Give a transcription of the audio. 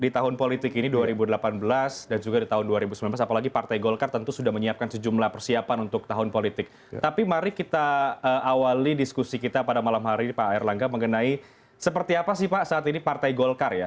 tapi mari kita awali diskusi kita pada malam hari ini pak erlangga mengenai seperti apa sih pak saat ini partai golkar ya